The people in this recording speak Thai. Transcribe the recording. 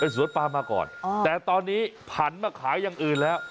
สวนปลามาก่อนแต่ตอนนี้ผันมาขายอย่างอื่นแล้ว